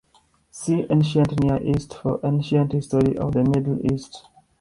See Ancient Near East for ancient history of the Middle East.